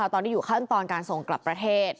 ตอนนี้อยู่ขั้นตอนการส่งกลับประเทศ